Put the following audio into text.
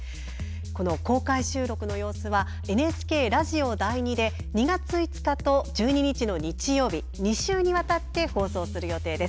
公開収録の様子はＮＨＫラジオ第２で２月５日と１２日の日曜日２週にわたって放送する予定です。